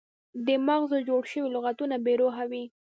د مغزو جوړ شوي لغتونه بې روحه وي.